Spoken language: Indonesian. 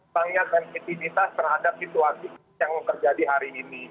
banyak sensitivitas terhadap situasi yang terjadi hari ini